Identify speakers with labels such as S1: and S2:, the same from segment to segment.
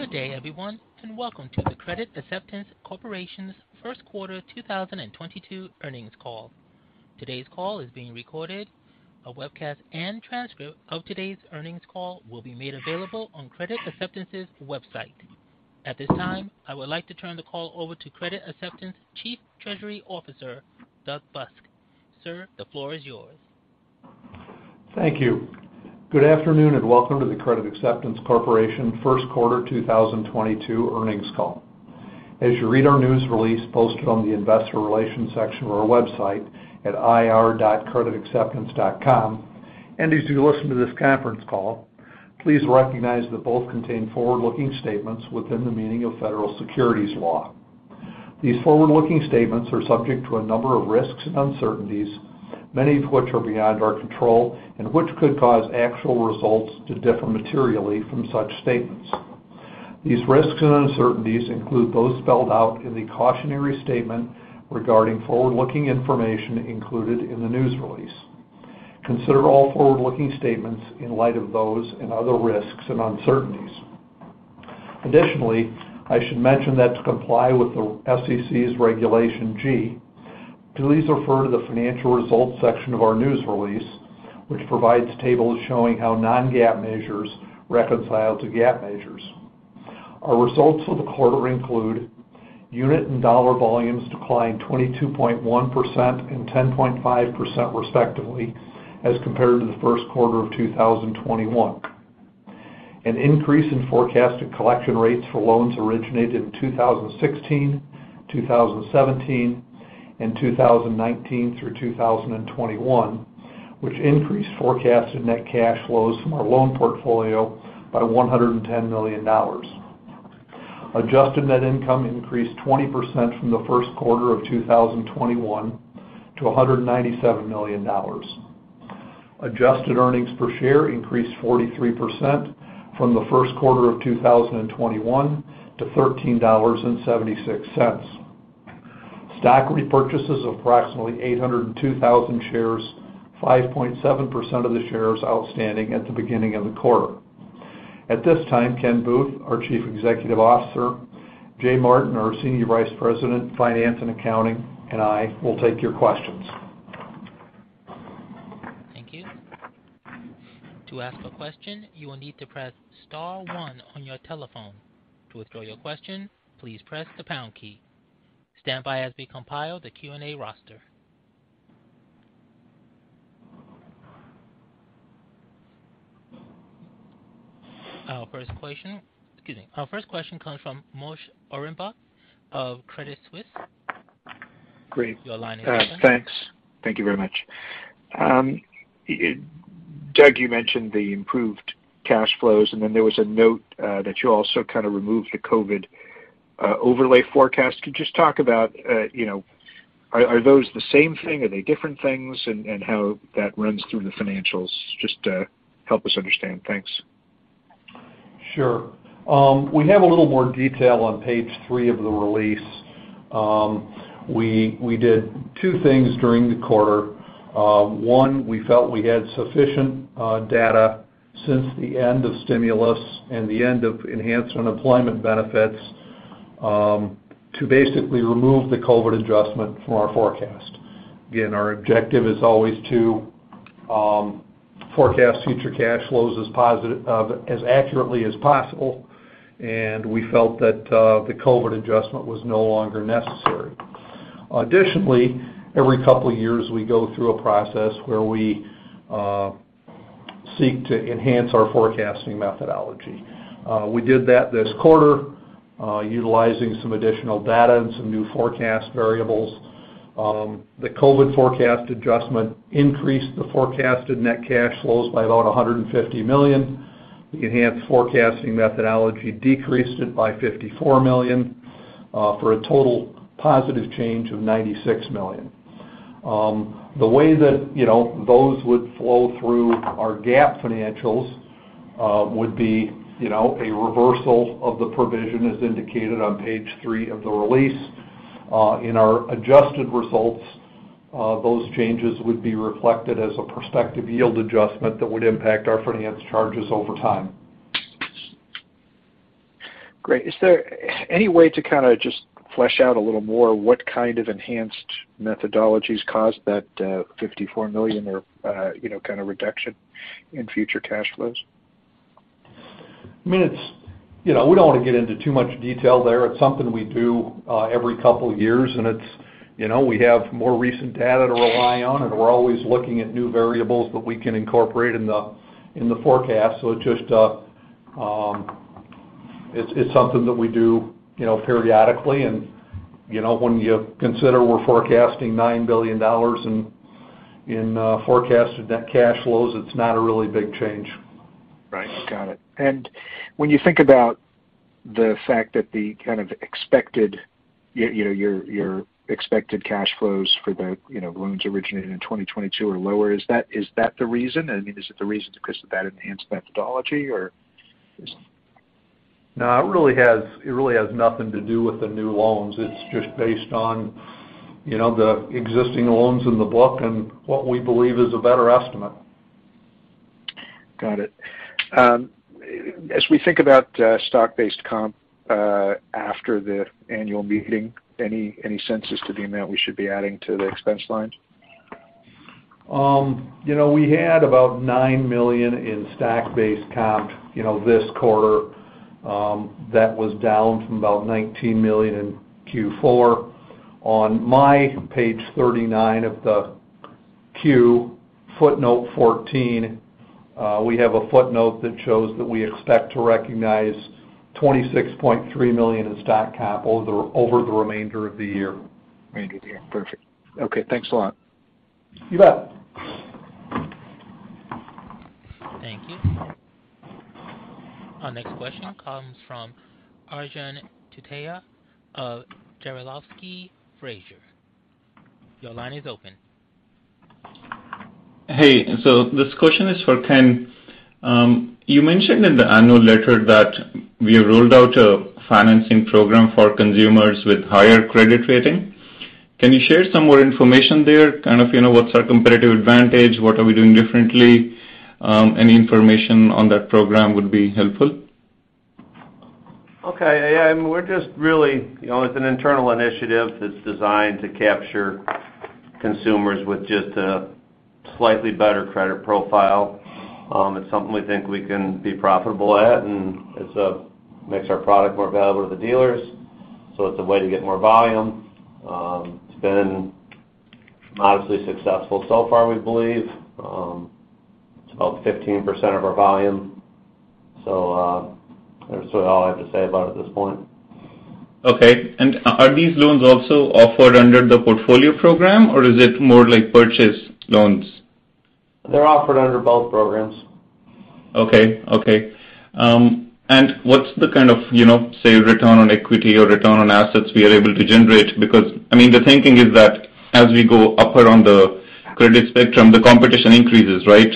S1: Good day, everyone, and welcome to the Credit Acceptance Corporation's First Quarter 2022 Earnings Call. Today's call is being recorded. A webcast and transcript of today's earnings call will be made available on Credit Acceptance's website. At this time, I would like to turn the call over to Credit Acceptance's Chief Treasury Officer, Doug Busk. Sir, the floor is yours.
S2: Thank you. Good afternoon, and welcome to the Credit Acceptance Corporation First Quarter 2022 Earnings Call. As you read our news release posted on the Investor Relations section of our website at ir.creditacceptance.com, and as you listen to this conference call, please recognize that both contain forward-looking statements within the meaning of Federal Securities Law. These forward-looking statements are subject to a number of risks and uncertainties, many of which are beyond our control and which could cause actual results to differ materially from such statements. These risks and uncertainties include those spelled out in the cautionary statement regarding forward-looking information included in the news release. Consider all forward-looking statements in light of those and other risks and uncertainties. Additionally, I should mention that to comply with the SEC's Regulation G, please refer to the financial results section of our news release, which provides tables showing how non-GAAP measures reconcile to GAAP measures. Our results for the quarter include unit and dollar volumes declined 22.1% and 10.5%, respectively, as compared to the first quarter of 2021. An increase in forecasted collection rates for loans originated in 2016, 2017, and 2019 through 2021, which increased forecasted net cash flows from our loan portfolio by $110 million. Adjusted net income increased 20% from the first quarter of 2021 to $197 million. Adjusted earnings per share increased 43%, from the first quarter of 2021 to $13.76. Stock repurchases of approximately 802,000 shares, 5.7% of the shares outstanding at the beginning of the quarter. At this time, Ken Booth, our Chief Executive Officer, Jay Martin, our Senior Vice President of Finance and Accounting, and I will take your questions.
S1: Thank you. To ask a question, you will need to press star one on your telephone. To withdraw your question, please press the pound key. Stand by as we compile the Q&A roster. Our first question comes from Moshe Orenbuch of Credit Suisse.
S2: Great.
S1: Your line is open.
S3: Thanks. Thank you very much. Doug, you mentioned the improved cash flows, and then there was a note that you also kinda removed the COVID overlay forecast. Could you just talk about, you know, are those the same thing? Are they different things? And how that runs through the financials. Just help us understand. Thanks.
S2: We have a little more detail on page three of the release. We did two things during the quarter. One, we felt we had sufficient data since the end of stimulus and the end of enhanced unemployment benefits to basically remove the COVID adjustment from our forecast. Again, our objective is always to forecast future cash flows as accurately as possible, and we felt that the COVID adjustment was no longer necessary. Additionally, every couple years, we go through a process where we seek to enhance our forecasting methodology. We did that this quarter, utilizing some additional data and some new forecast variables. The COVID forecast adjustment increased the forecasted net cash flows by about $150 million. The enhanced forecasting methodology decreased it by $54 million for a total positive change of $96 million. The way that, you know, those would flow through our GAAP financials would be, you know, a reversal of the provision as indicated on page three of the release. In our adjusted results, those changes would be reflected as a prospective yield adjustment that would impact our finance charges over time.
S3: Great. Is there any way to kinda just flesh out a little more what kind of enhanced methodologies caused that $54 million or, you know, kinda reduction in future cash flows?
S2: I mean, it's, you know, we don't wanna get into too much detail there. It's something we do every couple years, and it's, you know, we have more recent data to rely on, and we're always looking at new variables that we can incorporate in the forecast. It's just, it's something that we do, you know, periodically. You know, when you consider we're forecasting $9 billion in forecasted net cash flows, it's not a really big change.
S3: Right. Got it. When you think about the fact that the kind of expected, you know, your expected cash flows for the, you know, loans originated in 2022 are lower, is that the reason? I mean, is it the reason because of that enhanced methodology or.
S2: No, it really has nothing to do with the new loans. It's just based on, you know, the existing loans in the book and what we believe is a better estimate.
S3: Got it. As we think about stock-based comp after the annual meeting, any sense to the amount we should be adding to the expense lines?
S2: You know, we had about $9 million in stock-based comp, you know, this quarter. That was down from about $19 million in Q4. On my page 39 of the Q, footnote 14, we have a footnote that shows that we expect to recognize $26.3 million in stock comp over the remainder of the year.
S3: Remainder of the year. Perfect. Okay, thanks a lot.
S2: You bet.
S1: Thank you. Our next question comes from Arjun Tuteja of Jarislowsky Fraser. Your line is open.
S4: Hey. This question is for Ken. You mentioned in the annual letter that we rolled out a financing program for consumers with higher credit rating. Can you share some more information there? Kind of, you know, what's our competitive advantage? What are we doing differently? Any information on that program would be helpful.
S5: Okay. We're just really, you know, it's an internal initiative that's designed to capture consumers with just a slightly better credit profile. It's something we think we can be profitable at, and makes our product more valuable to the dealers, so it's a way to get more volume. It's been obviously successful so far, we believe. It's about 15% of our volume, so, that's all I have to say about it at this point.
S4: Okay. Are these loans also offered under the Portfolio Program, or is it more like Purchase Program?
S5: They're offered under both programs.
S4: Okay. What's the kind of, you know, say, return on equity or return on assets we are able to generate? Because, I mean, the thinking is that as we go upper on the credit spectrum, the competition increases, right?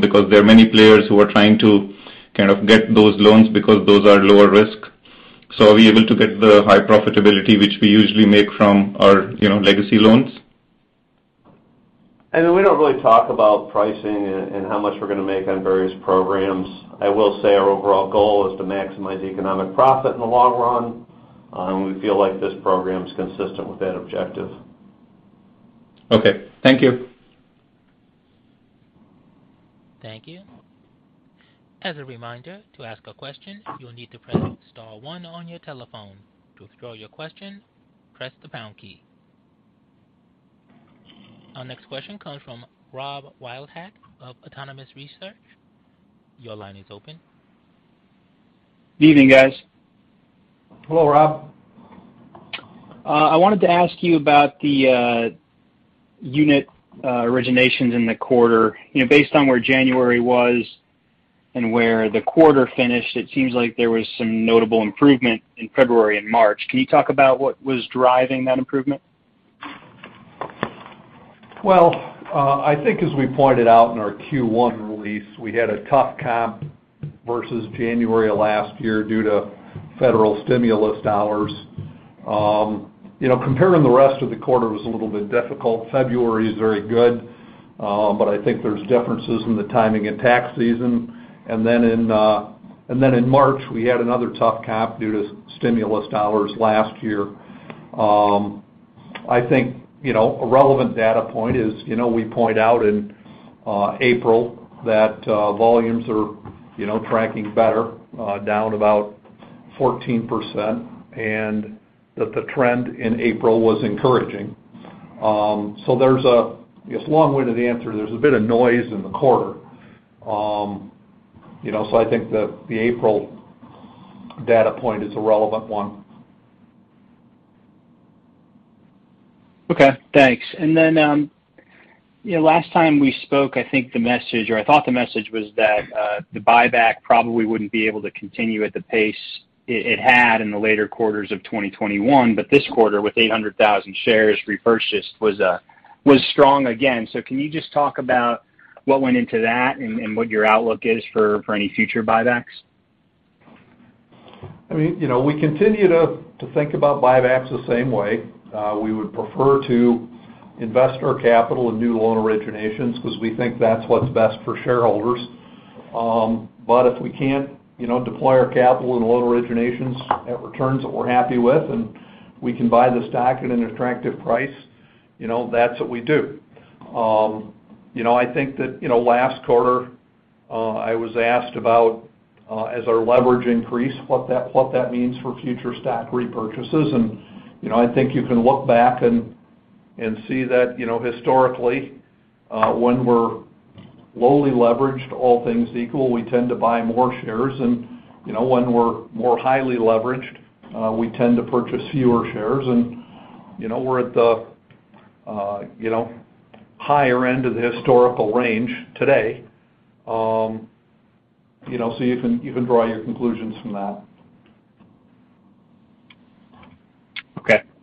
S4: Because there are many players who are trying to kind of get those loans because those are lower risk. Are you able to get the high profitability, which we usually make from our, you know, legacy loans?
S2: We don't really talk about pricing and how much we're gonna make on various programs. I will say our overall goal is to maximize economic profit in the long run, and we feel like this program is consistent with that objective.
S5: Okay, thank you.
S1: Thank you. As a reminder, to ask a question, you will need to press star one on your telephone. To withdraw your question, press the pound key. Our next question comes from Robert Wildhack of Autonomous Research. Your line is open.
S6: Good evening, guys.
S2: Hello, Rob.
S6: I wanted to ask you about the unit originations in the quarter. You know, based on where January was and where the quarter finished, it seems like there was some notable improvement in February and March. Can you talk about what was driving that improvement?
S2: Well, I think as we pointed out in our Q1 release, we had a tough comp versus January of last year due to federal stimulus dollars. You know, comparing the rest of the quarter was a little bit difficult. February is very good, but I think there's differences in the timing in tax season. Then in March, we had another tough comp due to stimulus dollars last year. I think, you know, a relevant data point is, you know, we point out in April that volumes are, you know, tracking better, down about 14% and that the trend in April was encouraging. It's a long way to the answer. There's a bit of noise in the quarter. You know, I think the April data point is a relevant one.
S6: Okay, thanks. You know, last time we spoke, I think the message or I thought the message was that the buyback probably wouldn't be able to continue at the pace it had in the later quarters of 2021. This quarter, with 800,000 shares repurchased was strong again. Can you just talk about what went into that and what your outlook is for any future buybacks?
S2: I mean, you know, we continue to think about buybacks the same way. We would prefer to invest our capital in new loan originations because we think that's what's best for shareholders. But if we can't, you know, deploy our capital in loan originations at returns that we're happy with and we can buy the stock at an attractive price, you know, that's what we do. You know, I think that, you know, last quarter, I was asked about, as our leverage increased, what that means for future stock repurchases. You know, I think you can look back and see that, you know, historically, when we're lowly leveraged, all things equal, we tend to buy more shares. You know, when we're more highly leveraged, we tend to purchase fewer shares. you know, we're at the higher end of the historical range today. you know, so you can draw your conclusions from that.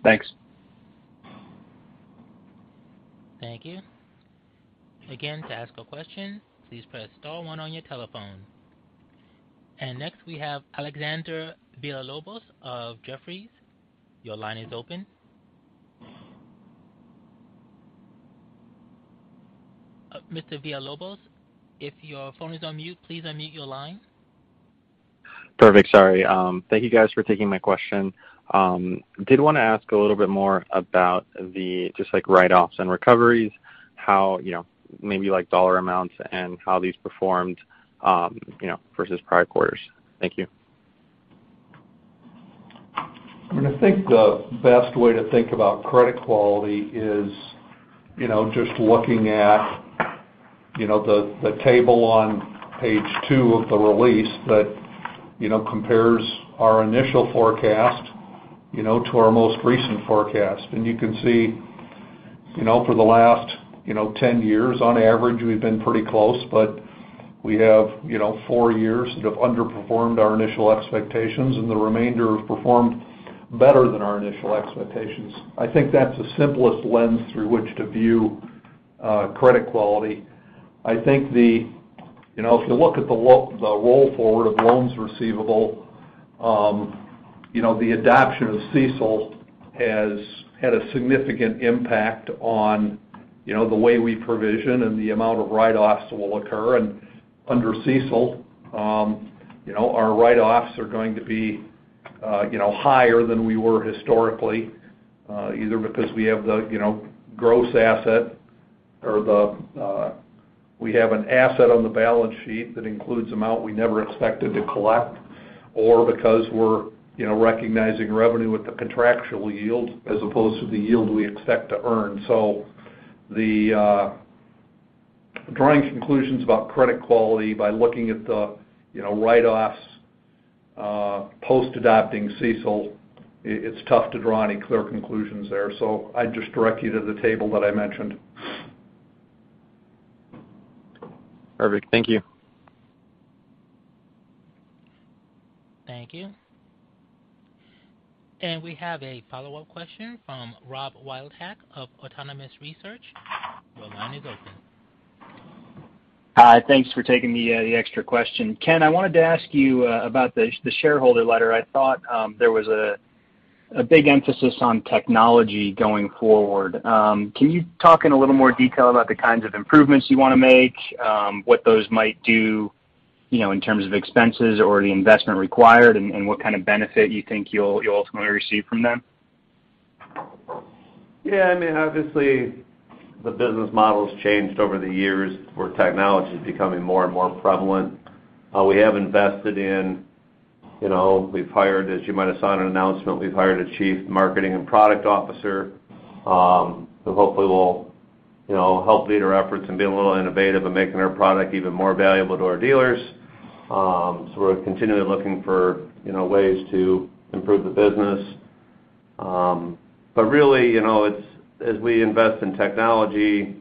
S6: Okay, thanks.
S1: Thank you. Again, to ask a question, please press star one on your telephone. Next, we have Alexander Villalobos of Jefferies. Your line is open. Mr. Villalobos, if your phone is on mute, please unmute your line.
S7: Perfect. Sorry. Thank you guys for taking my question. Did wanna ask a little bit more about the just, like, write-offs and recoveries, how, you know, maybe you like dollar amounts and how these performed, you know, versus prior quarters. Thank you.
S2: I think the best way to think about credit quality is, you know, just looking at, you know, the table on page two of the release that, you know, compares our initial forecast, you know, to our most recent forecast. You can see, you know, for the last, you know, 10 years on average, we've been pretty close, but we have, you know, four years that have underperformed our initial expectations, and the remainder have performed better than our initial expectations. I think that's the simplest lens through which to view credit quality. I think. You know, if you look at the roll forward of loans receivable, you know, the adoption of CECL has had a significant impact on, you know, the way we provision and the amount of write-offs that will occur. Under CECL, you know, our write-offs are going to be, you know, higher than we were historically, either because we have the, you know, gross asset or the, we have an asset on the balance sheet that includes amount we never expected to collect or because we're, you know, recognizing revenue with the contractual yield as opposed to the yield we expect to earn. Drawing conclusions about credit quality by looking at the, you know, write-offs post adopting CECL, it's tough to draw any clear conclusions there. I'd just direct you to the table that I mentioned.
S7: Perfect. Thank you.
S1: Thank you. We have a follow-up question from Robert Wildhack of Autonomous Research. Your line is open.
S6: Hi. Thanks for taking the extra question. Ken, I wanted to ask you about the shareholder letter. I thought there was a big emphasis on technology going forward. Can you talk in a little more detail about the kinds of improvements you wanna make, what those might do, you know, in terms of expenses or the investment required, and what kind of benefit you think you'll ultimately receive from them?
S5: Yeah, I mean, obviously the business model's changed over the years where technology is becoming more and more prevalent. We have invested in, you know, as you might have saw in an announcement, we've hired a chief marketing and product officer who hopefully will, you know, help lead our efforts and be a little innovative in making our product even more valuable to our dealers. We're continually looking for, you know, ways to improve the business. Really, you know, it's as we invest in technology,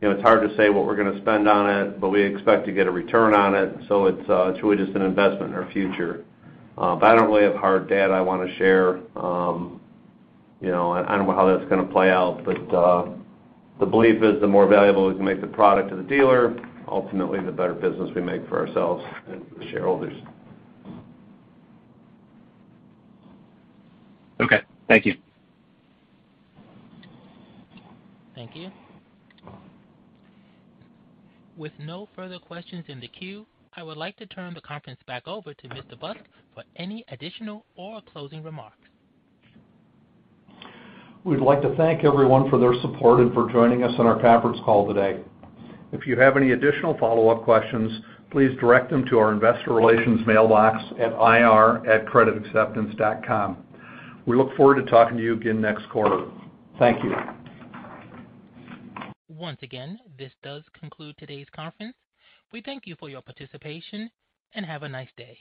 S5: you know, it's hard to say what we're gonna spend on it, but we expect to get a return on it, so it's really just an investment in our future. I don't really have hard data I wanna share. You know, I don't know how that's gonna play out. The belief is the more valuable we can make the product to the dealer, ultimately, the better business we make for ourselves and for the shareholders.
S6: Okay. Thank you.
S1: Thank you. With no further questions in the queue, I would like to turn the conference back over to Douglas Busk for any additional or closing remarks.
S2: We'd like to thank everyone for their support and for joining us on our conference call today. If you have any additional follow-up questions, please direct them to our investor relations mailbox at ir@creditacceptance.com. We look forward to talking to you again next quarter. Thank you.
S1: Once again, this does conclude today's conference. We thank you for your participation, and have a nice day.